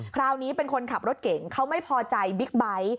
คราวนี้เป็นคนขับรถเก่งเขาไม่พอใจบิ๊กไบท์